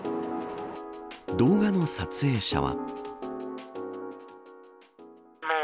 動画の撮影者は。